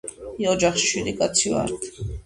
ოჯახში შვიდი კაცი ვართ